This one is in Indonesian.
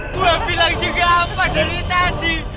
gue bilang juga apa dari tadi